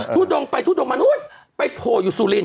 ทุดงค์ไปทุดงค์มันอุ๊ยไปโทยุซูลินค์